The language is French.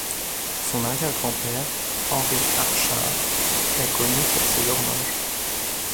Son arrière-grand-père Henry Archard est connu pour ses horloges.